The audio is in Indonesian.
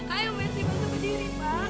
ayo mesti bantu berdiri pak